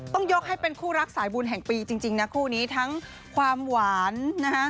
ต้องยกให้เป็นคู่รักสายบุญแห่งปีจริงนะคู่นี้ทั้งความหวานนะฮะ